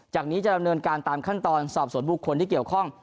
จากนี้จะดำเนินการตามขั้นตอนสอบสวนบุคคลที่เกี่ยวข้อง